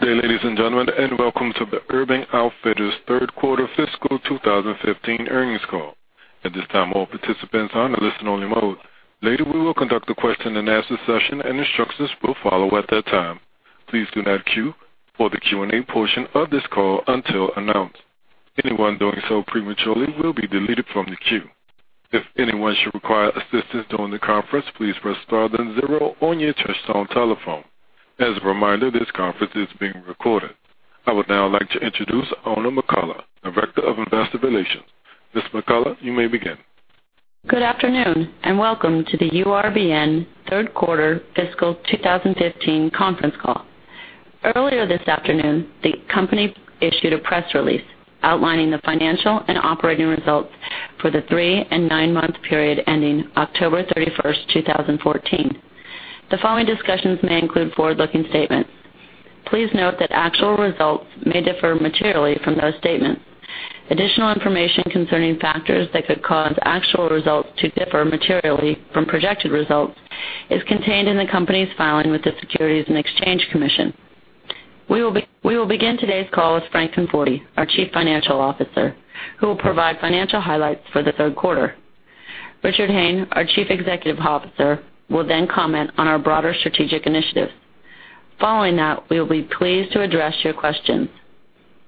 Good day, ladies and gentlemen, and welcome to the Urban Outfitters third quarter fiscal 2015 earnings call. At this time, all participants are in listen only mode. Later, we will conduct a question and answer session, and instructions will follow at that time. Please do not queue for the Q&A portion of this call until announced. Anyone doing so prematurely will be deleted from the queue. If anyone should require assistance during the conference, please press star then zero on your touchtone telephone. As a reminder, this conference is being recorded. I would now like to introduce Oona McCullough, Director of Investor Relations. Ms. McCullough, you may begin. Good afternoon, welcome to the URBN third quarter fiscal 2015 conference call. Earlier this afternoon, the company issued a press release outlining the financial and operating results for the three and nine-month period ending October 31st, 2014. The following discussions may include forward-looking statements. Please note that actual results may differ materially from those statements. Additional information concerning factors that could cause actual results to differ materially from projected results is contained in the company's filing with the Securities and Exchange Commission. We will begin today's call with Frank Conforti, our Chief Financial Officer, who will provide financial highlights for the third quarter. Richard Hayne, our Chief Executive Officer, will comment on our broader strategic initiatives. Following that, we will be pleased to address your questions.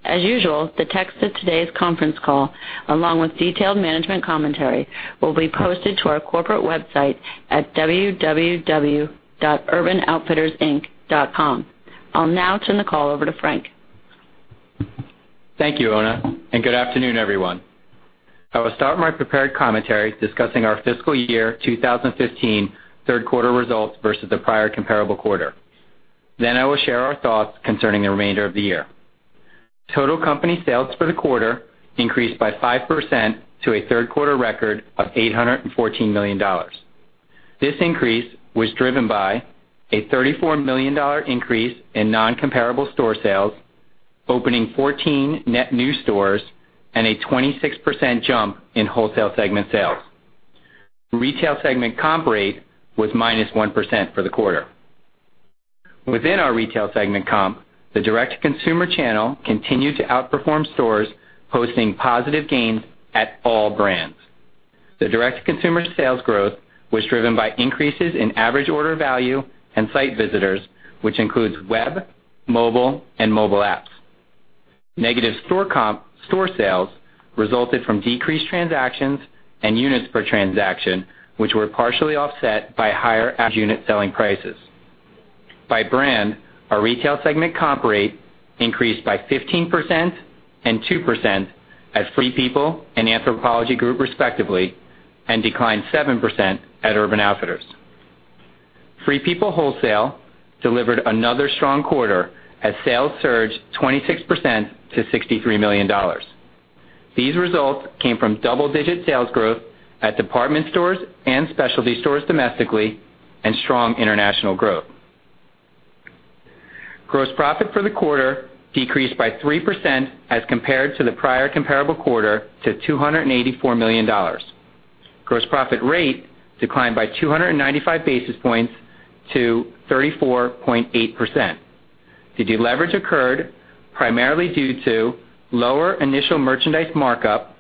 As usual, the text of today's conference call, along with detailed management commentary, will be posted to our corporate website at www.urbanoutfittersinc.com. I'll now turn the call over to Frank. Thank you, Oona, good afternoon, everyone. I will start my prepared commentary discussing our fiscal year 2015 third-quarter results versus the prior comparable quarter. I will share our thoughts concerning the remainder of the year. Total company sales for the quarter increased by 5% to a third-quarter record of $814 million. This increase was driven by a $34 million increase in non-comparable store sales, opening 14 net new stores, and a 26% jump in wholesale segment sales. Retail segment comp rate was minus 1% for the quarter. Within our retail segment comp, the direct-to-consumer channel continued to outperform stores, posting positive gains at all brands. The direct-to-consumer sales growth was driven by increases in average order value and site visitors, which includes web, mobile, and mobile apps. Negative store sales resulted from decreased transactions and units per transaction, which were partially offset by higher average unit selling prices. By brand, our retail segment comp rate increased by 15% and 2% at Free People and Anthropologie Group, respectively, and declined 7% at Urban Outfitters. Free People wholesale delivered another strong quarter as sales surged 26% to $63 million. These results came from double-digit sales growth at department stores and specialty stores domestically and strong international growth. Gross profit for the quarter decreased by 3% as compared to the prior comparable quarter to $284 million. Gross profit rate declined by 295 basis points to 34.8%. The deleverage occurred primarily due to lower initial merchandise markup,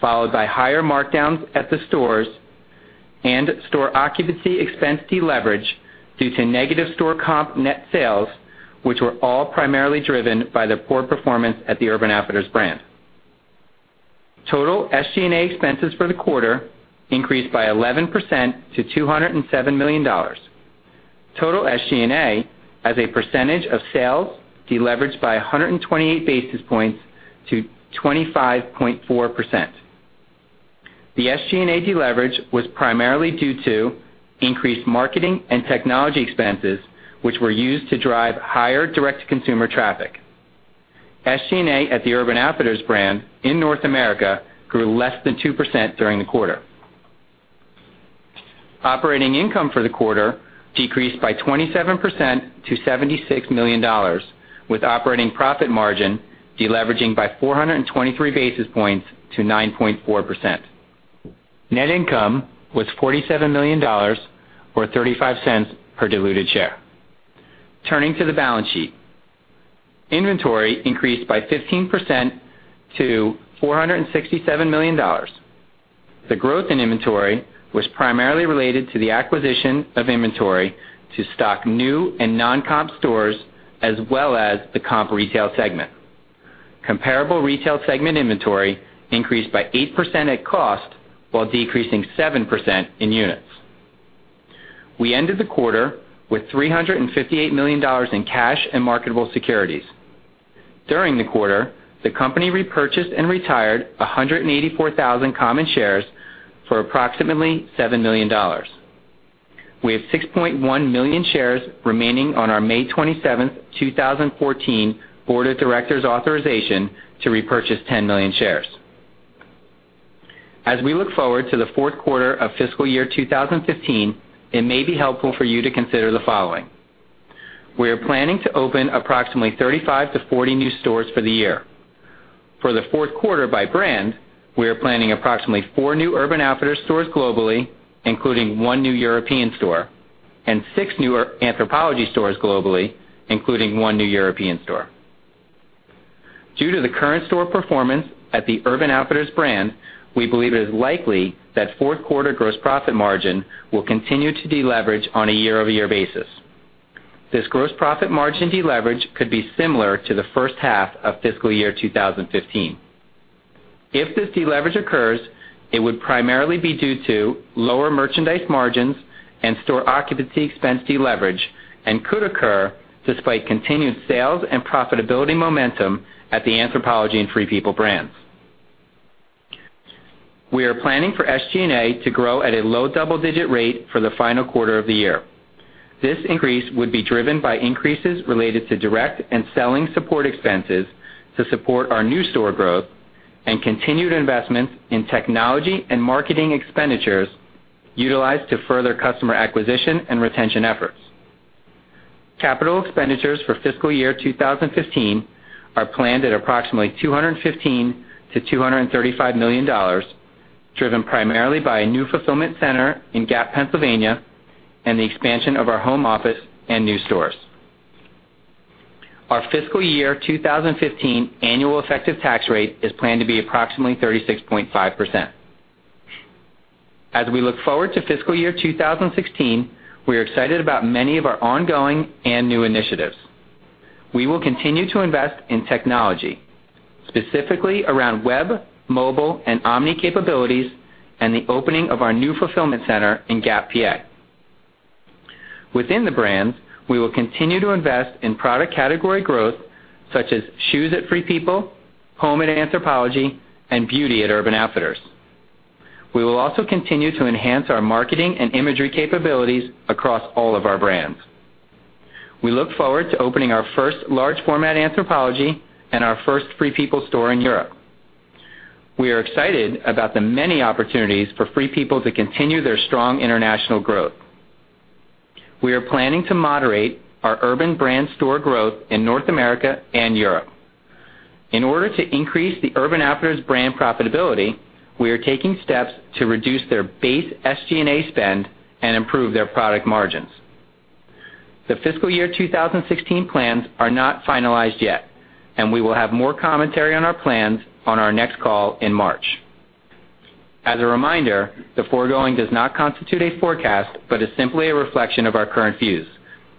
followed by higher markdowns at the stores and store occupancy expense deleverage due to negative store comp net sales, which were all primarily driven by the poor performance at the Urban Outfitters brand. Total SG&A expenses for the quarter increased by 11% to $207 million. Total SG&A as a percentage of sales deleveraged by 128 basis points to 25.4%. The SG&A deleverage was primarily due to increased marketing and technology expenses, which were used to drive higher direct-to-consumer traffic. SG&A at the Urban Outfitters brand in North America grew less than 2% during the quarter. Operating income for the quarter decreased by 27% to $76 million, with operating profit margin deleveraging by 423 basis points to 9.4%. Net income was $47 million, or $0.35 per diluted share. Turning to the balance sheet. Inventory increased by 15% to $467 million. The growth in inventory was primarily related to the acquisition of inventory to stock new and non-comp stores, as well as the comp retail segment. Comparable retail segment inventory increased by 8% at cost, while decreasing 7% in units. We ended the quarter with $358 million in cash and marketable securities. During the quarter, the company repurchased and retired 184,000 common shares for approximately $7 million. We have 6.1 million shares remaining on our May 27th, 2014 Board of Directors' authorization to repurchase 10 million shares. As we look forward to the fourth quarter of fiscal year 2015, it may be helpful for you to consider the following. We are planning to open approximately 35 to 40 new stores for the year. For the fourth quarter by brand, we are planning approximately four new Urban Outfitters stores globally, including one new European store, and six new Anthropologie stores globally, including one new European store. Due to the current store performance at the Urban Outfitters brand, we believe it is likely that fourth quarter gross profit margin will continue to deleverage on a year-over-year basis. This gross profit margin deleverage could be similar to the first half of fiscal year 2015. If this deleverage occurs, it would primarily be due to lower merchandise margins and store occupancy expense deleverage, and could occur despite continued sales and profitability momentum at the Anthropologie and Free People brands. We are planning for SG&A to grow at a low double-digit rate for the final quarter of the year. This increase would be driven by increases related to direct and selling support expenses to support our new store growth and continued investments in technology and marketing expenditures utilized to further customer acquisition and retention efforts. Capital expenditures for fiscal year 2015 are planned at approximately $215 million to $235 million, driven primarily by a new fulfillment center in Gap, Pennsylvania, and the expansion of our home office and new stores. Our fiscal year 2015 annual effective tax rate is planned to be approximately 36.5%. As we look forward to fiscal year 2016, we are excited about many of our ongoing and new initiatives. We will continue to invest in technology, specifically around web, mobile, and omni-channel capabilities, and the opening of our new fulfillment center in Gap, PA. Within the brands, we will continue to invest in product category growth such as shoes at Free People, home at Anthropologie, and beauty at Urban Outfitters. We will also continue to enhance our marketing and imagery capabilities across all of our brands. We look forward to opening our first large format Anthropologie and our first Free People store in Europe. We are excited about the many opportunities for Free People to continue their strong international growth. We are planning to moderate our Urban brand store growth in North America and Europe. In order to increase the Urban Outfitters brand profitability, we are taking steps to reduce their base SG&A spend and improve their product margins. The fiscal year 2016 plans are not finalized yet, we will have more commentary on our plans on our next call in March. As a reminder, the foregoing does not constitute a forecast, but is simply a reflection of our current views.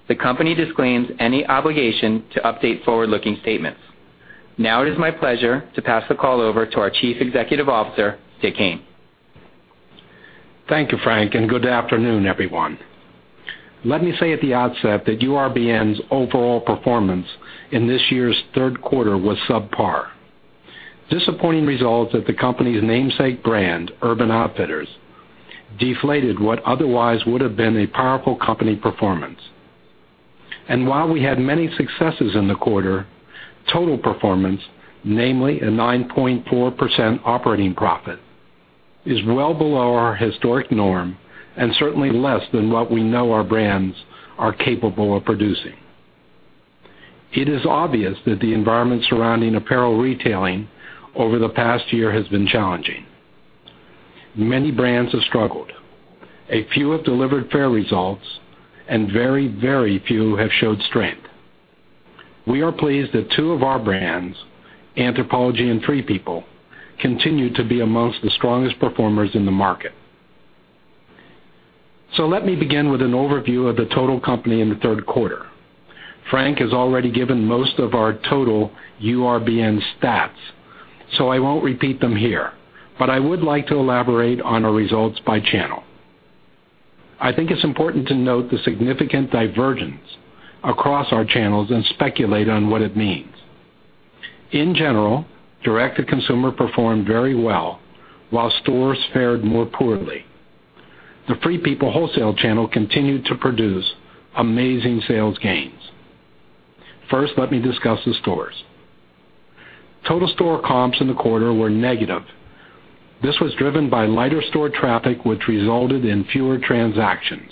The company disclaims any obligation to update forward-looking statements. Now it is my pleasure to pass the call over to our Chief Executive Officer, Richard Hayne. Thank you, Frank, and good afternoon, everyone. Let me say at the outset that URBN's overall performance in this year's third quarter was subpar. Disappointing results at the company's namesake brand, Urban Outfitters, deflated what otherwise would have been a powerful company performance. While we had many successes in the quarter, total performance, namely a 9.4% operating profit, is well below our historic norm and certainly less than what we know our brands are capable of producing. It is obvious that the environment surrounding apparel retailing over the past year has been challenging. Many brands have struggled. A few have delivered fair results, and very few have showed strength. We are pleased that two of our brands, Anthropologie and Free People, continue to be amongst the strongest performers in the market. Let me begin with an overview of the total company in the third quarter. Frank has already given most of our total URBN stats, I won't repeat them here, but I would like to elaborate on our results by channel. I think it's important to note the significant divergence across our channels and speculate on what it means. In general, direct-to-consumer performed very well, while stores fared more poorly. The Free People wholesale channel continued to produce amazing sales gains. First, let me discuss the stores. Total store comps in the quarter were negative. This was driven by lighter store traffic, which resulted in fewer transactions.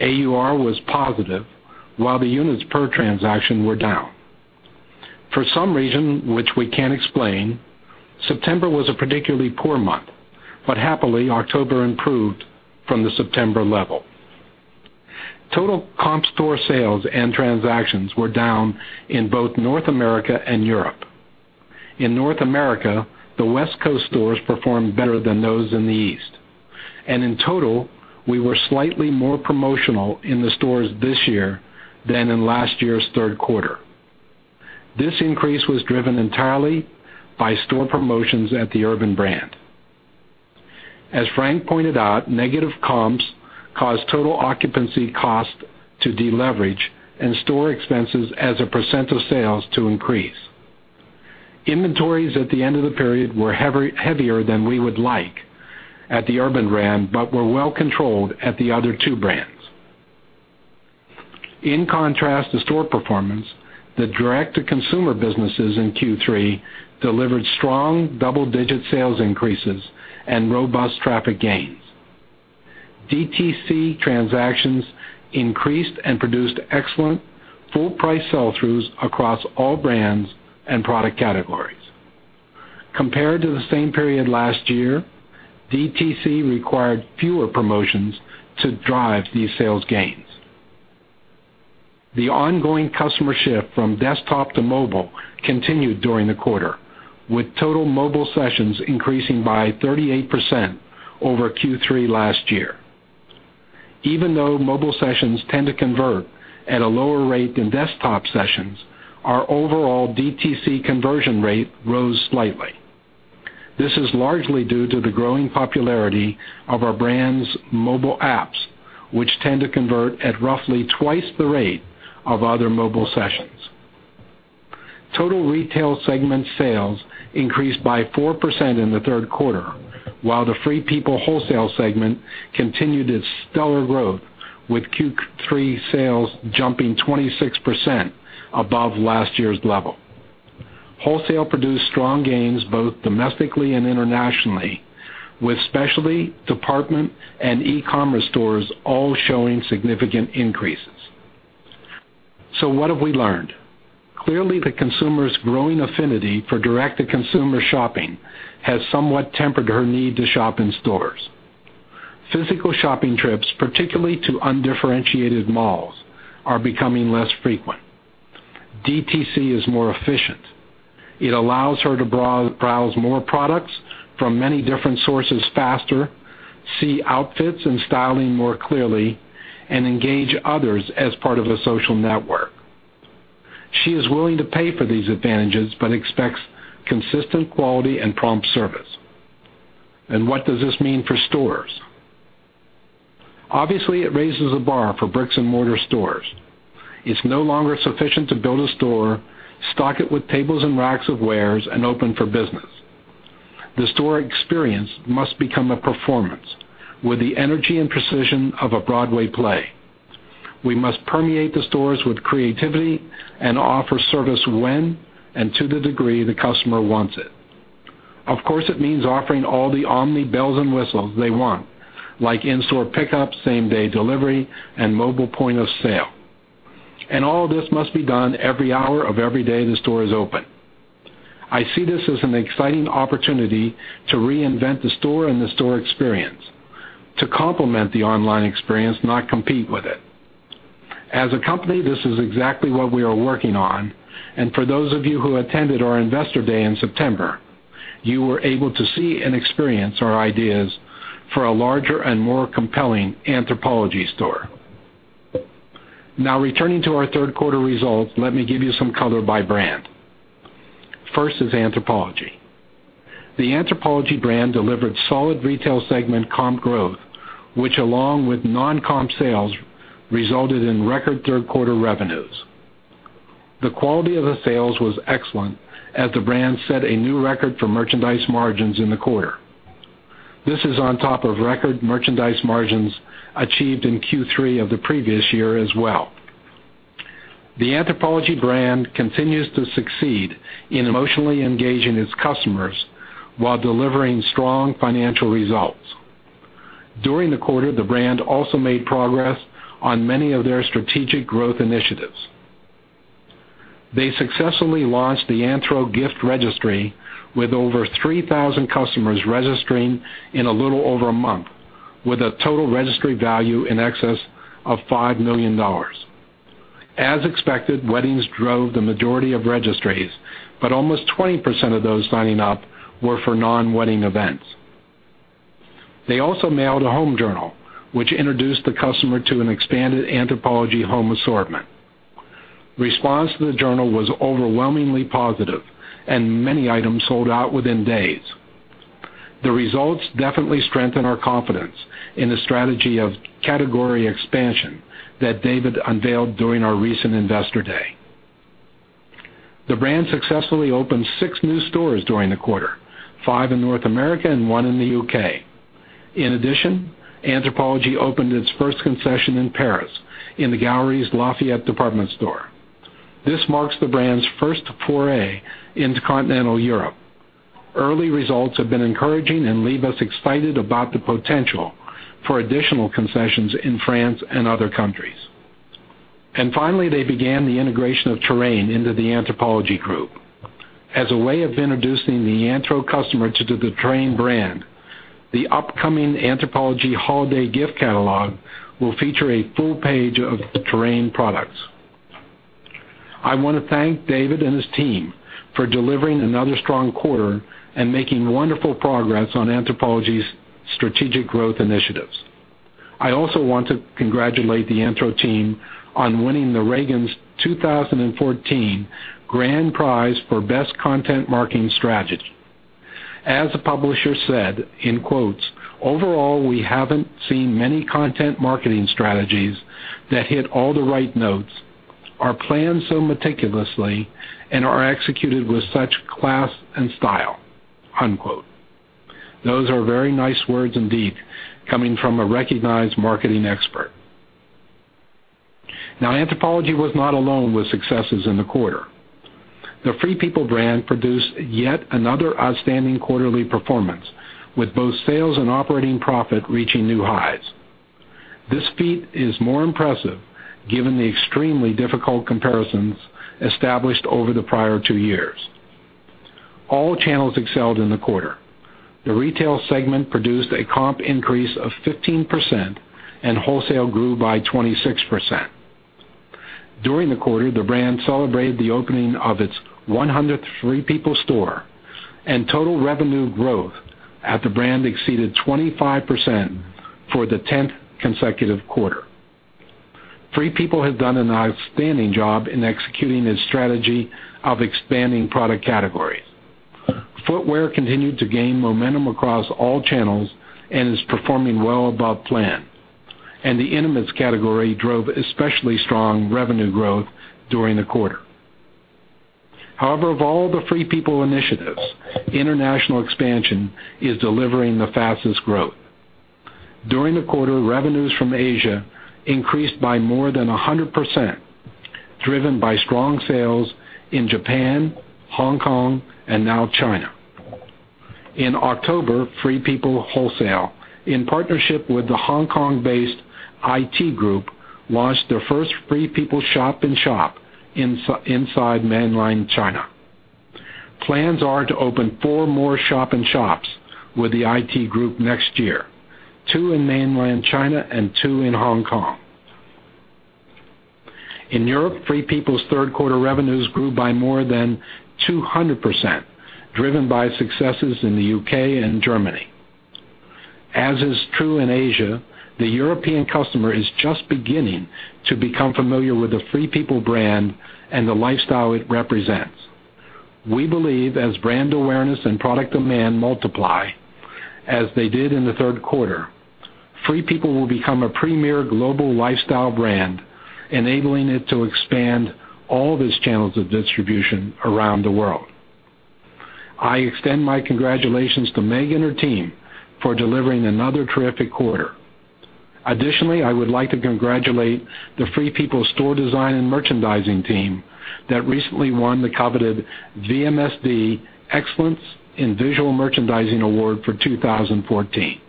AUR was positive, while the units per transaction were down. For some reason, which we can't explain, September was a particularly poor month. Happily, October improved from the September level. Total comp store sales and transactions were down in both North America and Europe. In North America, the West Coast stores performed better than those in the East. In total, we were slightly more promotional in the stores this year than in last year's third quarter. This increase was driven entirely by store promotions at the Urban brand. As Frank pointed out, negative comps caused total occupancy cost to deleverage and store expenses as a % of sales to increase. Inventories at the end of the period were heavier than we would like at the Urban brand, but were well controlled at the other two brands. In contrast to store performance, the direct-to-consumer businesses in Q3 delivered strong double-digit sales increases and robust traffic gains. DTC transactions increased and produced excellent full-price sell-throughs across all brands and product categories. Compared to the same period last year, DTC required fewer promotions to drive these sales gains. The ongoing customer shift from desktop to mobile continued during the quarter, with total mobile sessions increasing by 38% over Q3 last year. Even though mobile sessions tend to convert at a lower rate than desktop sessions, our overall DTC conversion rate rose slightly. This is largely due to the growing popularity of our brands' mobile apps, which tend to convert at roughly twice the rate of other mobile sessions. Total retail segment sales increased by 4% in the third quarter, while the Free People wholesale segment continued its stellar growth, with Q3 sales jumping 26% above last year's level. Wholesale produced strong gains both domestically and internationally, with specialty, department, and e-commerce stores all showing significant increases. What have we learned? Clearly, the consumer's growing affinity for direct-to-consumer shopping has somewhat tempered her need to shop in stores. Physical shopping trips, particularly to undifferentiated malls, are becoming less frequent. DTC is more efficient. It allows her to browse more products from many different sources faster, see outfits and styling more clearly, and engage others as part of a social network. She is willing to pay for these advantages but expects consistent quality and prompt service. What does this mean for stores? Obviously, it raises the bar for bricks-and-mortar stores. It's no longer sufficient to build a store, stock it with tables and racks of wares, and open for business. The store experience must become a performance with the energy and precision of a Broadway play. We must permeate the stores with creativity and offer service when and to the degree the customer wants it. Of course, it means offering all the omni bells and whistles they want, like in-store pickup, same-day delivery, and mobile point-of-sale. All this must be done every hour of every day the store is open. I see this as an exciting opportunity to reinvent the store and the store experience to complement the online experience, not compete with it. As a company, this is exactly what we are working on, and for those of you who attended our investor day in September, you were able to see and experience our ideas for a larger and more compelling Anthropologie store. Now, returning to our third quarter results, let me give you some color by brand. First is Anthropologie. The Anthropologie brand delivered solid retail segment comp growth, which, along with non-comp sales, resulted in record third-quarter revenues. The quality of the sales was excellent, as the brand set a new record for merchandise margins in the quarter. This is on top of record merchandise margins achieved in Q3 of the previous year as well. The Anthropologie brand continues to succeed in emotionally engaging its customers while delivering strong financial results. During the quarter, the brand also made progress on many of their strategic growth initiatives. They successfully launched the Anthro gift registry with over 3,000 customers registering in a little over a month, with a total registry value in excess of $5 million. As expected, weddings drove the majority of registtees, but almost 20% of those signing up were for non-wedding events. They also mailed a home journal, which introduced the customer to an expanded Anthropologie home assortment. Response to the journal was overwhelmingly positive, and many items sold out within days. The results definitely strengthen our confidence in the strategy of category expansion that David unveiled during our recent investor day. The brand successfully opened six new stores during the quarter, five in North America and one in the U.K. In addition, Anthropologie opened its first concession in Paris in the Galeries Lafayette department store. This marks the brand's first foray into continental Europe. Early results have been encouraging and leave us excited about the potential for additional concessions in France and other countries. Finally, they began the integration of Terrain into the Anthropologie Group. As a way of introducing the Anthro customer to the Terrain brand, the upcoming Anthropologie holiday gift catalog will feature a full page of Terrain products. I want to thank David and his team for delivering another strong quarter and making wonderful progress on Anthropologie's strategic growth initiatives. I also want to congratulate the Anthro team on winning the Ragan's 2014 Grand Prize for Best Content Marketing Strategy. As the publisher said, "Overall, we haven't seen many content marketing strategies that hit all the right notes, are planned so meticulously, and are executed with such class and style." Those are very nice words indeed coming from a recognized marketing expert. Anthropologie was not alone with successes in the quarter. The Free People brand produced yet another outstanding quarterly performance, with both sales and operating profit reaching new highs. This feat is more impressive given the extremely difficult comparisons established over the prior two years. All channels excelled in the quarter. The retail segment produced a comp increase of 15%, and wholesale grew by 26%. During the quarter, the brand celebrated the opening of its 103rd Free People store, and total revenue growth at the brand exceeded 25% for the 10th consecutive quarter. Free People have done an outstanding job in executing its strategy of expanding product categories. Footwear continued to gain momentum across all channels and is performing well above plan. The intimates category drove especially strong revenue growth during the quarter. However, of all the Free People initiatives, international expansion is delivering the fastest growth. During the quarter, revenues from Asia increased by more than 100%, driven by strong sales in Japan, Hong Kong, and now China. In October, Free People Wholesale, in partnership with the Hong Kong-based I.T Group, launched their first Free People shop-in-shop inside Mainland China. Plans are to open four more shop-in-shops with the I.T Group next year, two in Mainland China and two in Hong Kong. In Europe, Free People's third quarter revenues grew by more than 200%, driven by successes in the U.K. and Germany. As is true in Asia, the European customer is just beginning to become familiar with the Free People brand and the lifestyle it represents. We believe as brand awareness and product demand multiply, as they did in the third quarter, Free People will become a premier global lifestyle brand, enabling it to expand all of its channels of distribution around the world. I extend my congratulations to Meg and her team for delivering another terrific quarter. Additionally, I would like to congratulate the Free People store design and merchandising team that recently won the coveted VMSD Excellence in Visual Merchandising Award for 2014.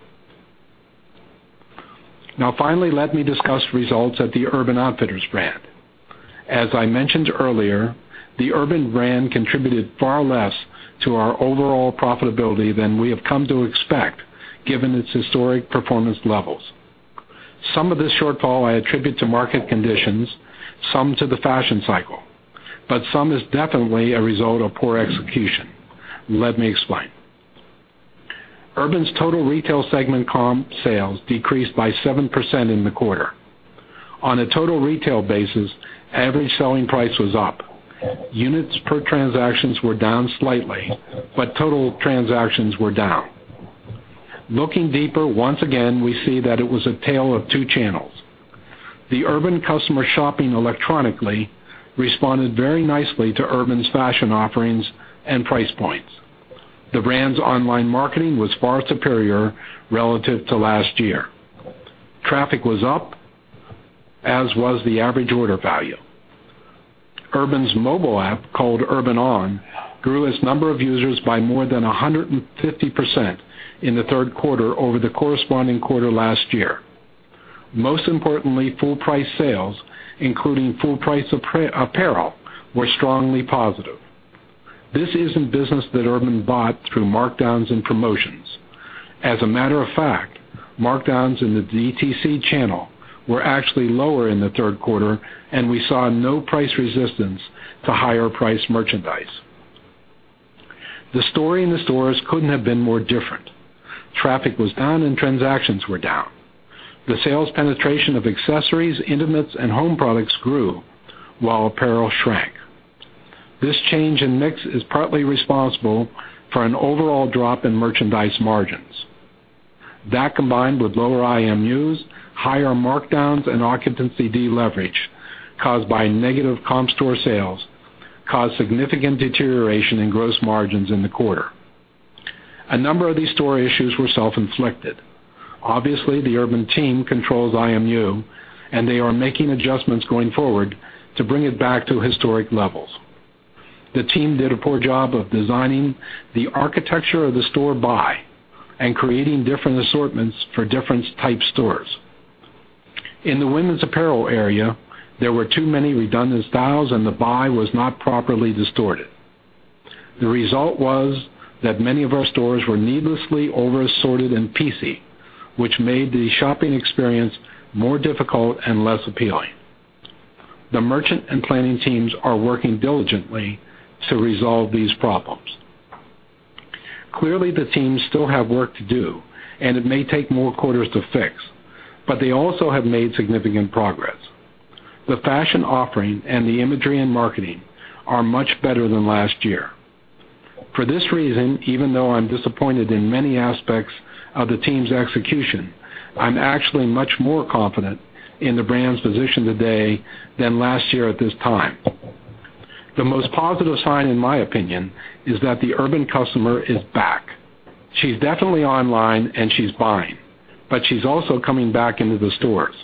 Finally, let me discuss results at the Urban Outfitters brand. As I mentioned earlier, the Urban brand contributed far less to our overall profitability than we have come to expect given its historic performance levels. Some of this shortfall I attribute to market conditions, some to the fashion cycle, but some is definitely a result of poor execution. Let me explain. Urban's total retail segment comp sales decreased by 7% in the quarter. On a total retail basis, average selling price was up. Units per transactions were down slightly, but total transactions were down. Looking deeper, once again, we see that it was a tale of two channels. The Urban customer shopping electronically responded very nicely to Urban's fashion offerings and price points. The brand's online marketing was far superior relative to last year. Traffic was up, as was the average order value. Urban's mobile app called Urban On grew its number of users by more than 150% in the third quarter over the corresponding quarter last year. Most importantly, full price sales, including full price apparel, were strongly positive. This isn't business that Urban bought through markdowns and promotions. As a matter of fact, markdowns in the DTC channel were actually lower in the third quarter, and we saw no price resistance to higher priced merchandise. The story in the stores couldn't have been more different. Traffic was down and transactions were down. The sales penetration of accessories, intimates, and home products grew while apparel shrank. This change in mix is partly responsible for an overall drop in merchandise margins. That, combined with lower IMUs, higher markdowns, and occupancy deleverage caused by negative comp store sales, caused significant deterioration in gross margins in the quarter. A number of these store issues were self-inflicted. Obviously, the Urban team controls IMU, and they are making adjustments going forward to bring it back to historic levels. The team did a poor job of designing the architecture of the store buy and creating different assortments for different type stores. In the women's apparel area, there were too many redundant styles and the buy was not properly distorted. The result was that many of our stores were needlessly over-assorted and piecey, which made the shopping experience more difficult and less appealing. The merchant and planning teams are working diligently to resolve these problems. Clearly, the teams still have work to do, and it may take more quarters to fix, but they also have made significant progress. The fashion offering and the imagery and marketing are much better than last year. For this reason, even though I'm disappointed in many aspects of the team's execution, I'm actually much more confident in the brand's position today than last year at this time. The most positive sign, in my opinion, is that the Urban customer is back. She's definitely online and she's buying, but she's also coming back into the stores.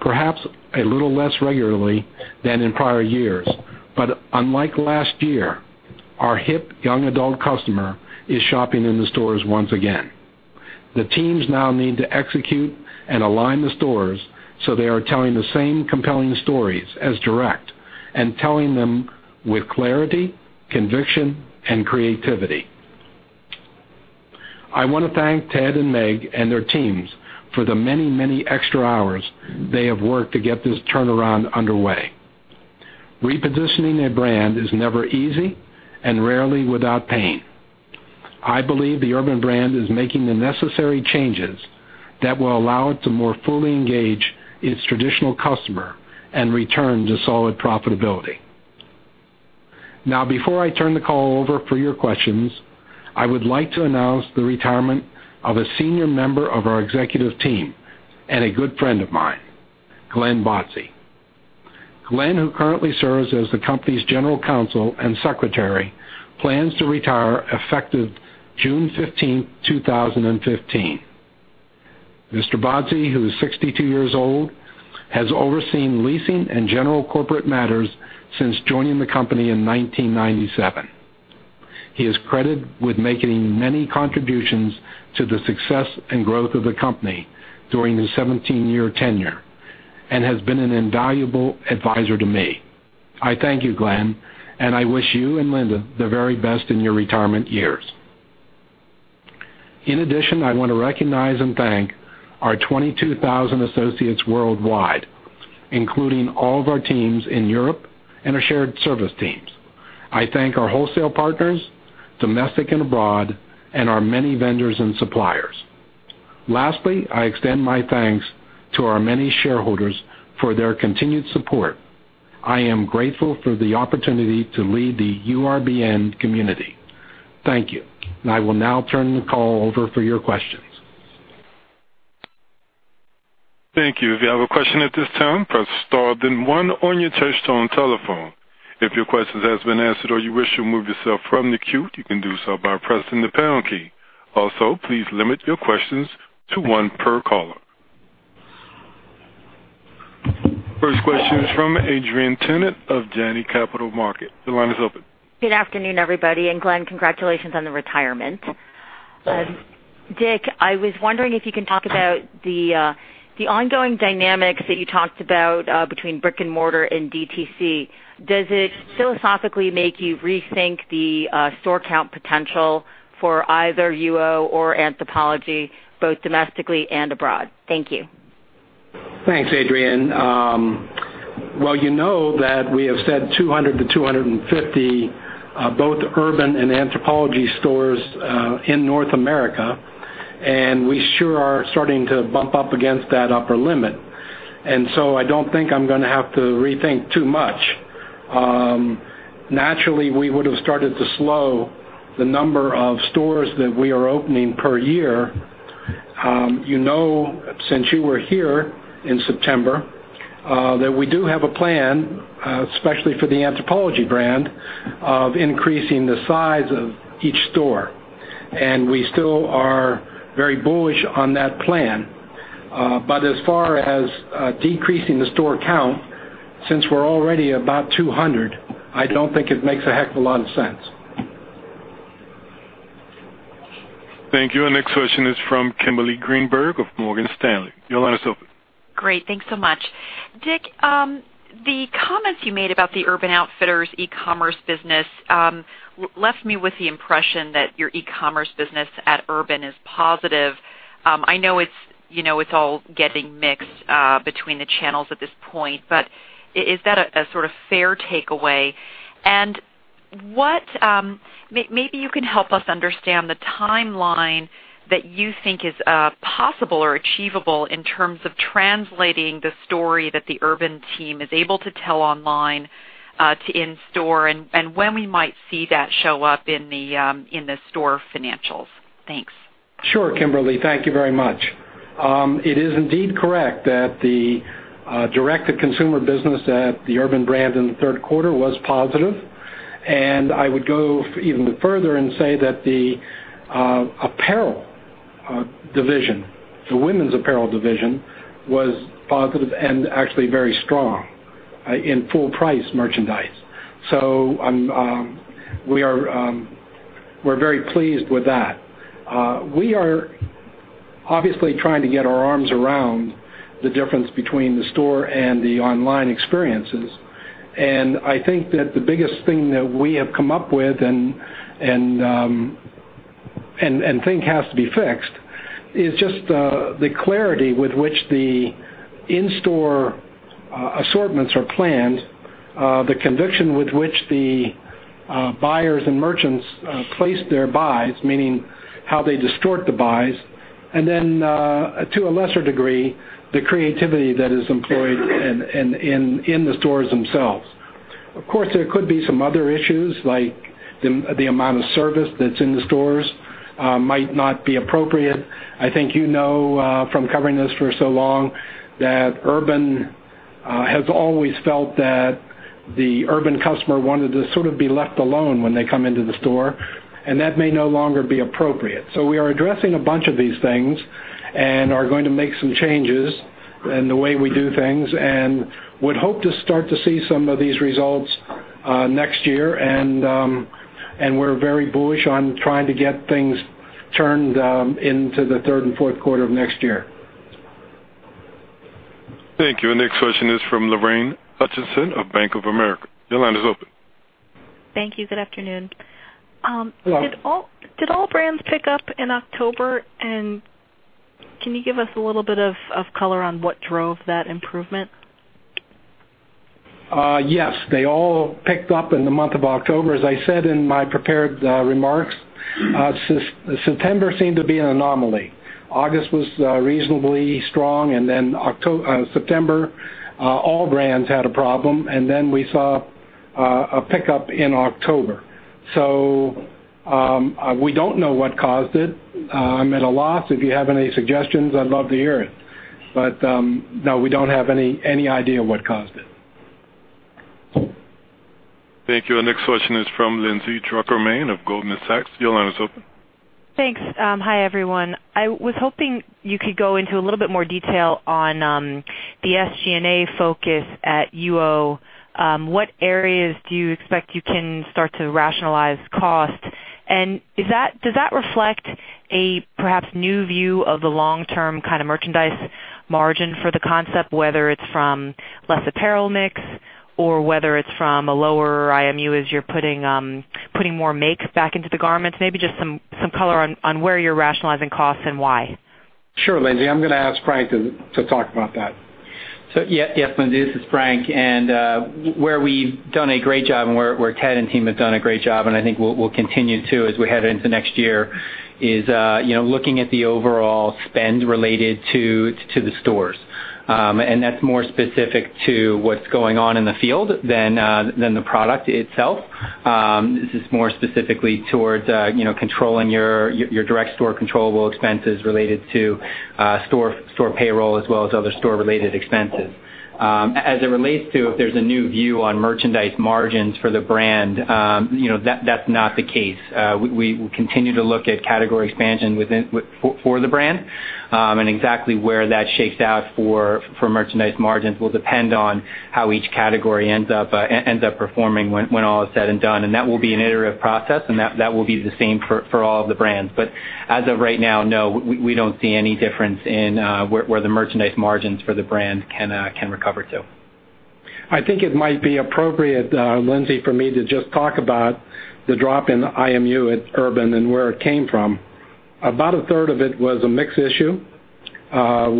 Perhaps a little less regularly than in prior years, but unlike last year, our hip young adult customer is shopping in the stores once again. The teams now need to execute and align the stores so they are telling the same compelling stories as direct and telling them with clarity, conviction, and creativity. I want to thank Ted and Meg and their teams for the many, many extra hours they have worked to get this turnaround underway. Repositioning a brand is never easy and rarely without pain. I believe the Urban brand is making the necessary changes that will allow it to more fully engage its traditional customer and return to solid profitability. Before I turn the call over for your questions, I would like to announce the retirement of a senior member of our executive team and a good friend of mine, Glen Bodzy. Glen, who currently serves as the company's General Counsel and Secretary, plans to retire effective June 15th, 2015. Mr. Bodzy, who is 62 years old, has overseen leasing and general corporate matters since joining the company in 1997. He is credited with making many contributions to the success and growth of the company during his 17-year tenure and has been an invaluable advisor to me. I thank you, Glen, and I wish you and Linda the very best in your retirement years. In addition, I want to recognize and thank our 22,000 associates worldwide, including all of our teams in Europe and our shared service teams. I thank our wholesale partners, domestic and abroad, and our many vendors and suppliers. Lastly, I extend my thanks to our many shareholders for their continued support. I am grateful for the opportunity to lead the URBN community. Thank you. I will now turn the call over for your questions. Thank you. If you have a question at this time, press star then one on your touch-tone telephone. If your question has been answered or you wish to remove yourself from the queue, you can do so by pressing the pound key. Also, please limit your questions to one per caller. First question is from Adrienne Yih-Tennant of Janney Capital Markets. The line is open. Good afternoon, everybody. Glen, congratulations on the retirement. Dick, I was wondering if you can talk about the ongoing dynamics that you talked about between brick-and-mortar and DTC. Does it philosophically make you rethink the store count potential for either UO or Anthropologie, both domestically and abroad? Thank you. Thanks, Adrienne. Well, you know that we have said 200 to 250, both Urban and Anthropologie stores in North America, we sure are starting to bump up against that upper limit. I don't think I'm going to have to rethink too much. Naturally, we would have started to slow the number of stores that we are opening per year. You know, since you were here in September, that we do have a plan, especially for the Anthropologie brand, of increasing the size of each store. We still are very bullish on that plan. As far as decreasing the store count, since we're already about 200, I don't think it makes a heck of a lot of sense. Thank you. Our next question is from Kimberly Greenberg of Morgan Stanley. Your line is open. Great. Thanks so much. Dick, the comments you made about the Urban Outfitters e-commerce business left me with the impression that your e-commerce business at Urban is positive. I know it's all getting mixed between the channels at this point, but is that a sort of fair takeaway? Maybe you can help us understand the timeline that you think is possible or achievable in terms of translating the story that the Urban team is able to tell online to in-store, and when we might see that show up in the store financials. Thanks. Sure, Kimberly. Thank you very much. It is indeed correct that the direct-to-consumer business at the Urban brand in the third quarter was positive, and I would go even further and say that the apparel division, the women's apparel division, was positive and actually very strong in full price merchandise. We're very pleased with that. We are obviously trying to get our arms around the difference between the store and the online experiences. I think that the biggest thing that we have come up with and think has to be fixed is just the clarity with which the in-store assortments are planned, the conviction with which the buyers and merchants place their buys, meaning how they distort the buys, and then to a lesser degree, the creativity that is employed in the stores themselves. Of course, there could be some other issues like the amount of service that's in the stores might not be appropriate. I think you know from covering this for so long that Urban has always felt that the Urban customer wanted to sort of be left alone when they come into the store, and that may no longer be appropriate. We are addressing a bunch of these things and are going to make some changes in the way we do things, and would hope to start to see some of these results next year. We're very bullish on trying to get things turned into the third and fourth quarter of next year. Thank you. Our next question is from Lorraine Hutchinson of Bank of America. Your line is open. Thank you. Good afternoon. Hello. Did all brands pick up in October? Can you give us a little bit of color on what drove that improvement? Yes. They all picked up in the month of October. As I said in my prepared remarks, September seemed to be an anomaly. August was reasonably strong, September, all brands had a problem. We saw a pickup in October. We don't know what caused it. I'm at a loss. If you have any suggestions, I'd love to hear it. No, we don't have any idea what caused it. Thank you. Our next question is from Lindsay Drucker Mann of Goldman Sachs. Your line is open. Thanks. Hi, everyone. I was hoping you could go into a little bit more detail on the SG&A focus at UO. What areas do you expect you can start to rationalize cost, does that reflect a perhaps new view of the long-term kind of merchandise margin for the concept, whether it's from less apparel mix or whether it's from a lower IMU as you're putting more makes back into the garments. Maybe just some color on where you're rationalizing costs and why. Sure, Lindsay. I'm going to ask Frank to talk about that. Yes, Lindsay, this is Frank. Where we've done a great job and where Ted and team have done a great job, and I think we'll continue to, as we head into next year, is looking at the overall spend related to the stores. That's more specific to what's going on in the field than the product itself. This is more specifically towards controlling your direct store controllable expenses related to store payroll as well as other store-related expenses. As it relates to if there's a new view on merchandise margins for the brand, that's not the case. We continue to look at category expansion for the brand. Exactly where that shakes out for merchandise margins will depend on how each category ends up performing when all is said and done, and that will be an iterative process and that will be the same for all of the brands. As of right now, no, we don't see any difference in where the merchandise margins for the brand can recover to. I think it might be appropriate, Lindsay, for me to just talk about the drop in IMU at Urban and where it came from. About a third of it was a mix issue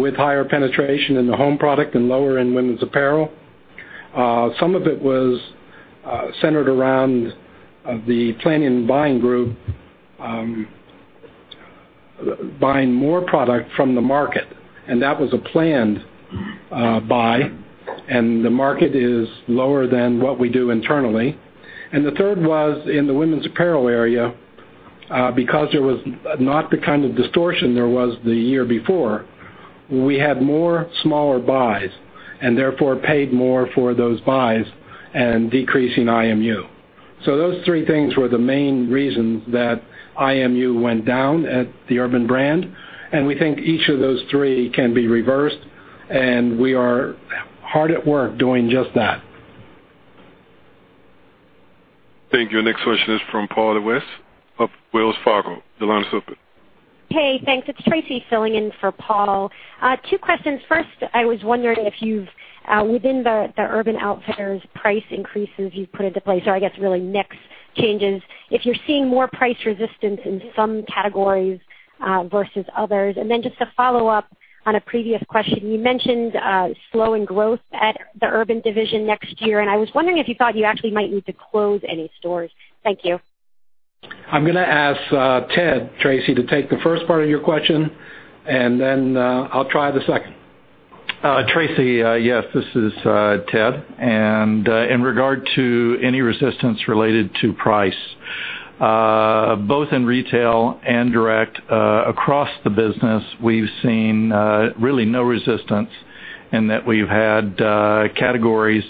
with higher penetration in the home product and lower end women's apparel. Some of it was centered around the planning and buying group buying more product from the market, and that was a planned buy, and the market is lower than what we do internally. The third was in the women's apparel area. Because there was not the kind of distortion there was the year before, we had more smaller buys and therefore paid more for those buys and decreasing IMU. Those three things were the main reasons that IMU went down at the Urban brand, and we think each of those three can be reversed, and we are hard at work doing just that. Thank you. Our next question is from Paul Lejuez of Wells Fargo. Your line is open. Hey, thanks. It is Tracy filling in for Paul. Two questions. First, I was wondering if within the Urban Outfitters price increases you've put into place, or I guess, really mix changes, if you're seeing more price resistance in some categories versus others. Just to follow up on a previous question, you mentioned slowing growth at the Urban division next year, and I was wondering if you thought you actually might need to close any stores. Thank you. I am going to ask Ted, Tracy, to take the first part of your question, I will try the second. Tracy, yes, this is Ted. In regard to any resistance related to price, both in retail and direct, across the business, we've seen really no resistance in that we've had categories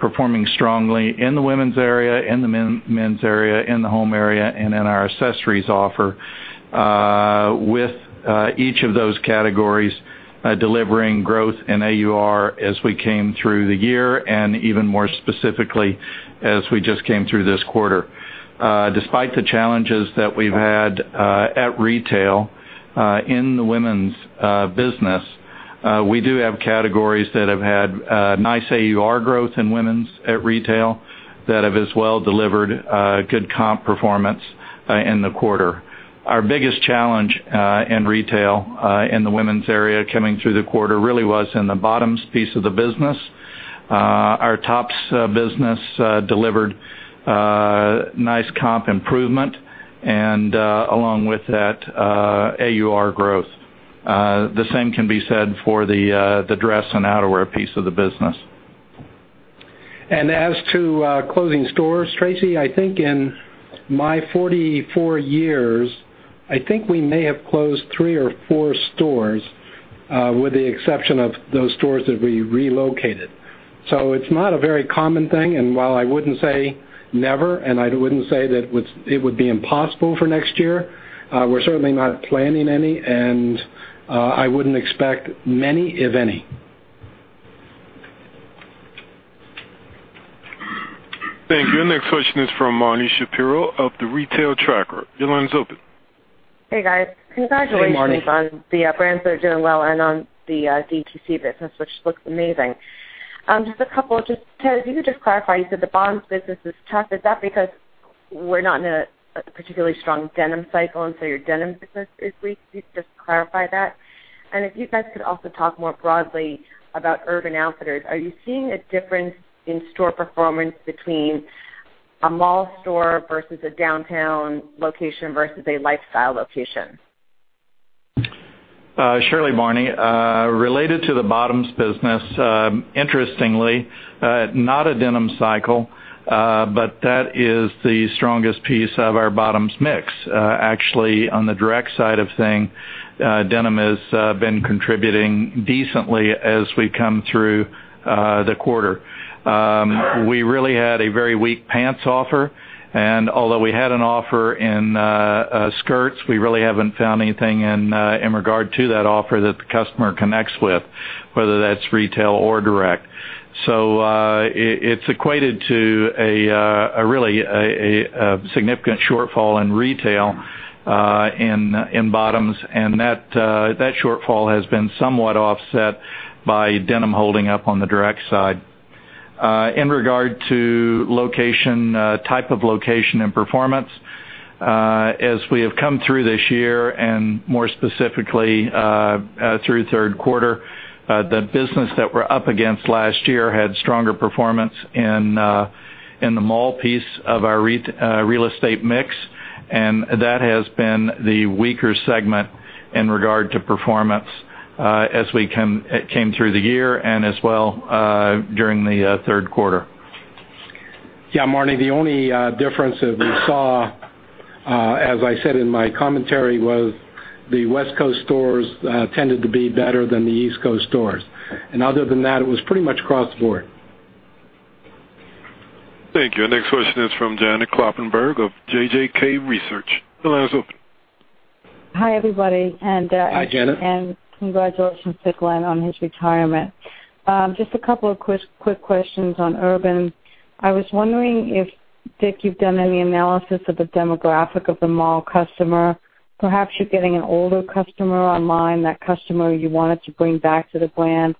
performing strongly in the women's area, in the men's area, in the home area, and in our accessories offer with each of those categories delivering growth and AUR as we came through the year, and even more specifically as we just came through this quarter. Despite the challenges that we've had at retail in the women's business, we do have categories that have had nice AUR growth in women's at retail that have as well delivered good comp performance in the quarter. Our biggest challenge in retail in the women's area coming through the quarter really was in the bottoms piece of the business. Our tops business delivered nice comp improvement and along with that AUR growth. The same can be said for the dress and outerwear piece of the business. As to closing stores, Tracy, I think in my 44 years, I think we may have closed three or four stores, with the exception of those stores that we relocated. It's not a very common thing, and while I wouldn't say never, and I wouldn't say that it would be impossible for next year, we're certainly not planning any, and I wouldn't expect many, if any. Thank you. Next question is from Marni Shapiro of The Retail Tracker. Your line is open. Hey, guys. Hey, Marni. Congratulations on the brands that are doing well and on the DTC business, which looks amazing. Just a couple. Ted, if you could just clarify, you said the bottoms business is tough. Is that because we're not in a particularly strong denim cycle? Is your denim business weak? Could you just clarify that? If you guys could also talk more broadly about Urban Outfitters. Are you seeing a difference in store performance between a mall store versus a downtown location versus a lifestyle location? Surely, Marni. Related to the bottoms business, interestingly, not a denim cycle, but that is the strongest piece of our bottoms mix. Actually, on the direct side of things, denim has been contributing decently as we come through the quarter. We really had a very weak pants offer, and although we had an offer in skirts, we really haven't found anything in regard to that offer that the customer connects with, whether that's retail or direct. It's equated to a really significant shortfall in retail, in bottoms, and that shortfall has been somewhat offset by denim holding up on the direct side. In regard to type of location and performance, as we have come through this year and more specifically, through third quarter, the business that we're up against last year had stronger performance in the mall piece of our real estate mix, and that has been the weaker segment in regard to performance as we came through the year and as well during the third quarter. Yeah, Marni, the only difference that we saw, as I said in my commentary, was the West Coast stores tended to be better than the East Coast stores. Other than that, it was pretty much across the board. Thank you. Next question is from Janet Kloppenburg of JJK Research. The line is open. Hi, everybody. Hi, Janet. Congratulations to Glen on his retirement. Just a couple of quick questions on Urban. I was wondering if, Dick, you've done any analysis of the demographic of the mall customer. Perhaps you're getting an older customer online, that customer you wanted to bring back to the brand.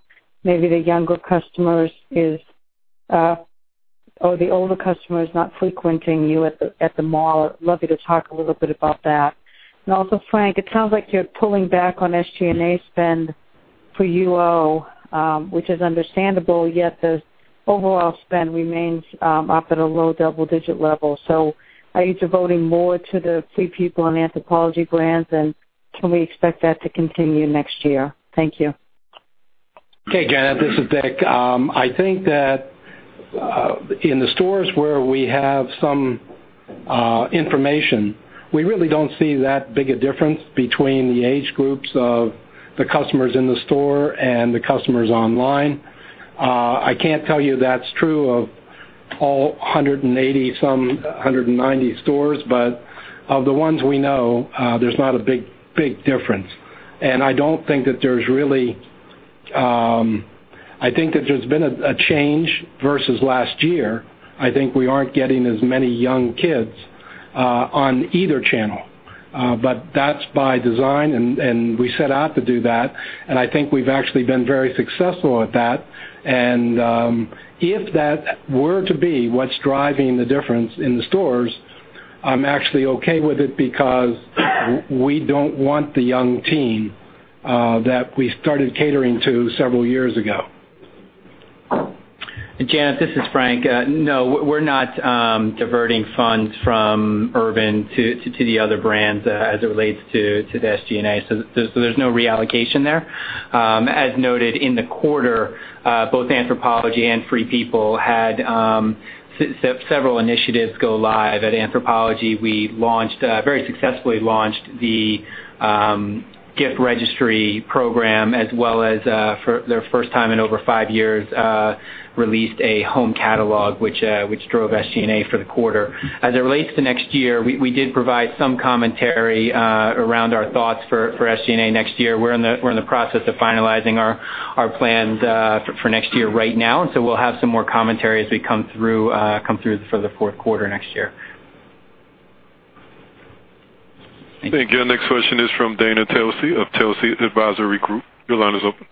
Maybe the older customer is not frequenting you at the mall. I'd love you to talk a little bit about that. Also, Frank, it sounds like you're pulling back on SG&A spend for UO, which is understandable, yet the overall spend remains up at a low double-digit level. Are you devoting more to the Free People and Anthropologie brands, and can we expect that to continue next year? Thank you. Janet. This is Dick. I think that in the stores where we have some information, we really don't see that big a difference between the age groups of the customers in the store and the customers online. I can't tell you that's true of all 180 some, 190 stores, but of the ones we know, there's not a big difference. I think that there's been a change versus last year. I think we aren't getting as many young kids on either channel. That's by design, and we set out to do that, and I think we've actually been very successful at that. If that were to be what's driving the difference in the stores, I'm actually okay with it because we don't want the young teen that we started catering to several years ago. Janet, this is Frank. No, we're not diverting funds from Urban to the other brands as it relates to the SG&A. There's no reallocation there. As noted in the quarter, both Anthropologie and Free People had several initiatives go live. At Anthropologie, we very successfully launched the Gift Registry Program as well as, for the first time in over five years, released a home catalog which drove SG&A for the quarter. It relates to next year, we did provide some commentary around our thoughts for SG&A next year. We're in the process of finalizing our plans for next year right now, we'll have some more commentary as we come through for the fourth quarter next year. Thank you. Our next question is from Dana Telsey of Telsey Advisory Group. Your line is open.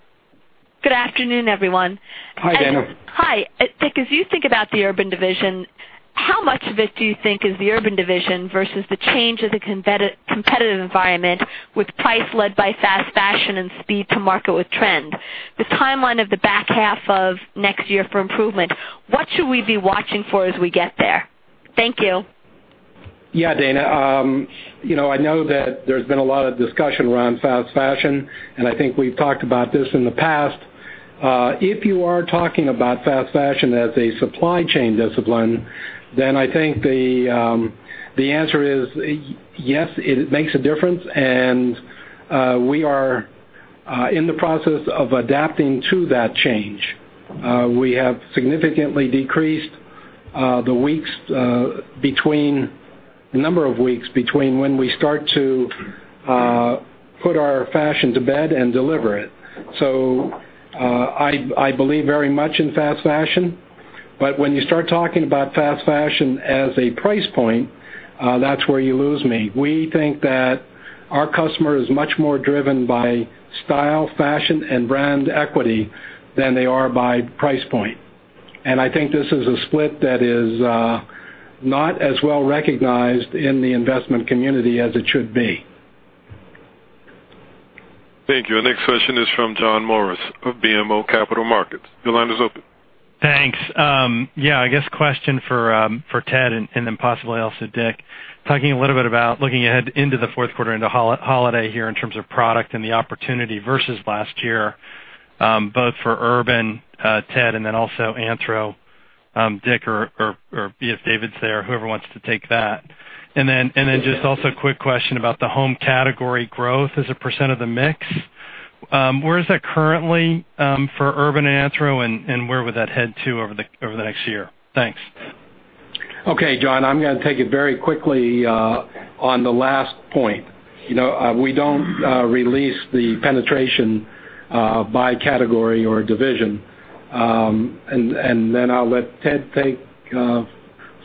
Good afternoon, everyone. Hi, Dana. Hi. Dick, as you think about the Urban division, how much of it do you think is the Urban division versus the change of the competitive environment with price led by fast fashion and speed to market with trend? The timeline of the back half of next year for improvement, what should we be watching for as we get there? Thank you. Yeah, Dana. I know that there's been a lot of discussion around fast fashion, and I think we've talked about this in the past. If you are talking about fast fashion as a supply chain discipline, then I think the answer is yes, it makes a difference, and we are in the process of adapting to that change. We have significantly decreased the number of weeks between when we start to put our fashion to bed and deliver it. I believe very much in fast fashion. When you start talking about fast fashion as a price point, that's where you lose me. We think that our customer is much more driven by style, fashion, and brand equity than they are by price point. I think this is a split that is not as well-recognized in the investment community as it should be. Thank you. Our next question is from John Morris of BMO Capital Markets. Your line is open. Thanks. I guess question for Ted, and then possibly also Dick. Talking a little bit about looking ahead into the fourth quarter into holiday here in terms of product and the opportunity versus last year. Both for Urban, Ted, and then also Anthro, Dick, or be it David's there, whoever wants to take that. Just also a quick question about the home category growth as a % of the mix. Where is that currently for Urban and Anthro, and where would that head to over the next year? Thanks. Okay, John, I'm going to take it very quickly on the last point. We don't release the penetration by category or division. I'll let Ted take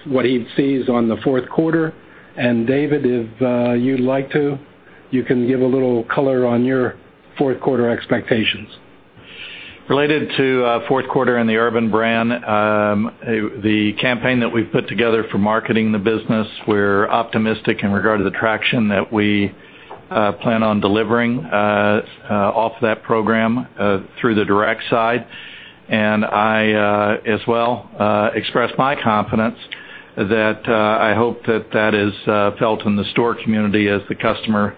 what he sees on the fourth quarter. David, if you'd like to, you can give a little color on your fourth quarter expectations. Related to fourth quarter and the Urban brand, the campaign that we've put together for marketing the business, we're optimistic in regard to the traction that we plan on delivering off that program through the direct side. I, as well, express my confidence that I hope that that is felt in the store community as the customer